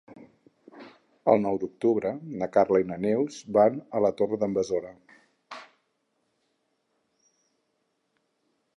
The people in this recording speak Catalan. El nou d'octubre na Carla i na Neus van a la Torre d'en Besora.